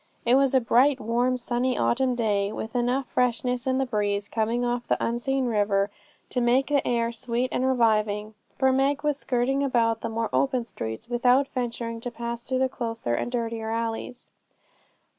It was a bright, warm, sunny autumn day, with enough freshness in the breeze coming off the unseen river to make the air sweet and reviving; for Meg was skirting about the more open streets, without venturing to pass through the closer and dirtier alleys.